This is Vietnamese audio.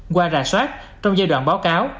qua rà soát trong giai đoạn báo cáo